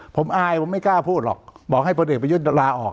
ผมอายผมไม่กล้าพูดหรอกบอกให้พลเอกประยุทธ์ลาออก